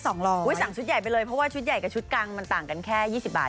สั่งชุดใหญ่ไปเลยเพราะว่าชุดใหญ่กับชุดกลางมันต่างกันแค่๒๐บาท